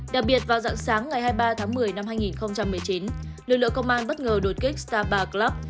đặc biệt vào dặn sáng ngày hai mươi ba tháng một mươi năm hai nghìn một mươi chín lực lượng công an bất ngờ đột kích star bar club